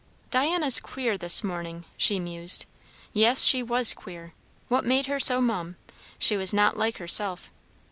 "Diana's queer this morning," she mused. "Yes, she was queer. What made her so mum? She was not like herself.